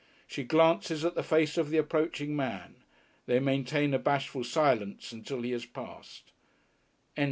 She glances at the face of the approaching man. They maintain a bashful silence until he has passed.